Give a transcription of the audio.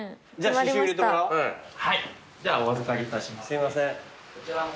すいません。